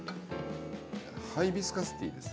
ハイビスカスティーです。